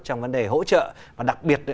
trong vấn đề hỗ trợ và đặc biệt